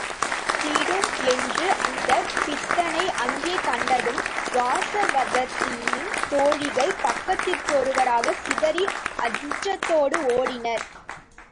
திடும் என்று அந்தப் பித்தனை அங்கே கண்டதும் வாசவதத்தையின் தோழிகள் பக்கத்திற்கொருவராகச் சிதறி அச்சத்தோடு ஓடினர்.